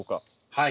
はい。